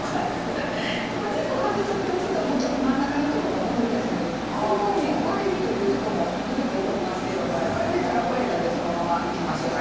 軸を外しておくとちょっと真ん中のとこが戻りやすいのでこういうふうに割れるという事故も時々起こりますけども割れたら割れたでそのままいきましょう。